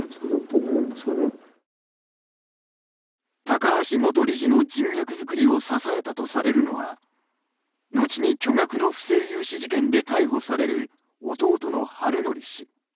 高橋元理事の人脈作りを支えたとされるのは後に巨額の不正融資事件で逮捕される弟の治則氏。